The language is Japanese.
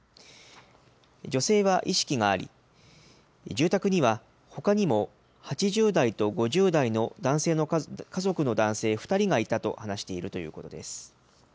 女性は意識があり、住宅にはほかにも８０代と５０代の家族の男性２人がいたと話しているということです。